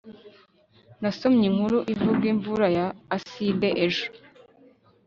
nasomye inkuru ivuga imvura ya aside ejo